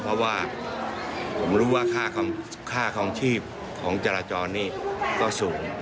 เพราะว่าผมรู้ว่าค่าคลองชีพของจราจรนี่ก็สูง